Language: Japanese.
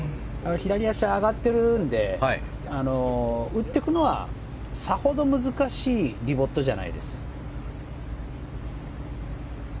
左足が上がっているので打っていくのは、さほど難しいディボットじゃないです。